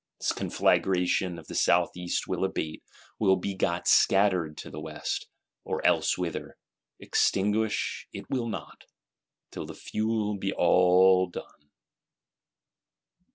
This conflagration of the South East will abate; will be got scattered, to the West, or elsewhither: extinguish it will not, till the fuel be all done.